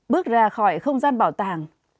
bước ra khỏi không gian bảo tàng